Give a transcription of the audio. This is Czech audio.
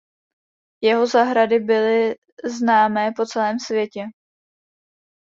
Jeho zahrady byly známé po celém světě.